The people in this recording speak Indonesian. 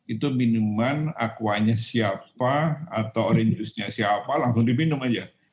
itu minuman aquanya siapa atau orange juice nya siapa langsung diminum aja